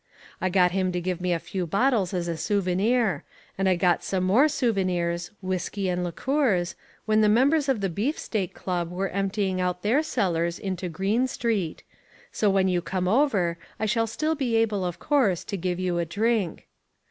I got him to give me a few bottles as a souvenir, and I got some more souvenirs, whiskey and liqueurs, when the members of the Beefsteak Club were emptying out their cellars into Green Street; so when you come over, I shall still be able, of course, to give you a drink.